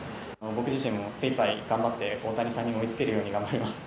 僕自身も精いっぱい頑張って、大谷さんに追いつけるように頑張ります。